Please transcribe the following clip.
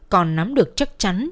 còn nắm được chắc chắn